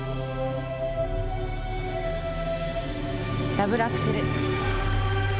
ダブルアクセル。